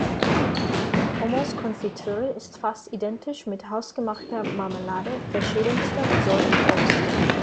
Omas Konfitüre ist fast identisch mit hausgemachter Marmelade verschiedenster Sorten Obst.